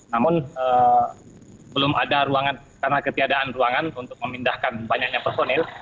namun belum ada ruangan karena ketiadaan ruangan untuk memindahkan banyaknya personil